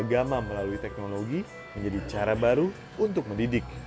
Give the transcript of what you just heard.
agama melalui teknologi menjadi cara baru untuk mendidik